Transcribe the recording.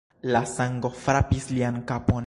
La sango frapis lian kapon.